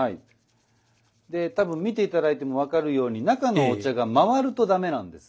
で多分見て頂いても分かるように中のお茶が回ると駄目なんです。